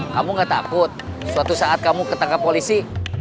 kamu gak takut suatu saat kamu ketangkap polisi